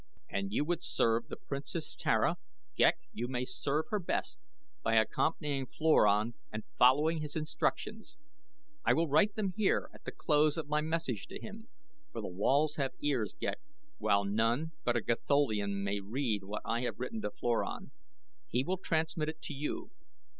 And you would serve the Princess Tara, Ghek, you may serve her best by accompanying Floran and following his instructions. I will write them here at the close of my message to him, for the walls have ears, Ghek, while none but a Gatholian may read what I have written to Floran. He will transmit it to you.